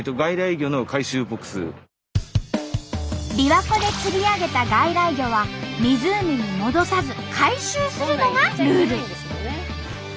びわ湖で釣り上げた外来魚は湖に戻さず回収するのがルール。